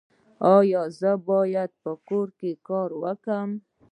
ایا زه باید په کور کې کار وکړم؟